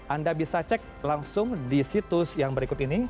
anda bisa cek langsung di situs yang berikut ini